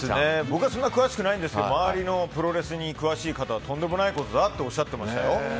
僕はそんなに詳しくないんですけど周りのプロレスに詳しい方はとんでもないことだとおっしゃっていましたよ。